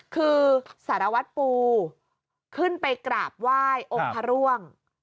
คือสารวัตรปูขึ้นไปกราบไหว้องค์พระร่วง